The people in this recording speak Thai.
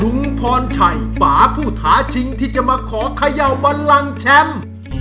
พรชัยฝาผู้ท้าชิงที่จะมาขอเขย่าบันลังแชมป์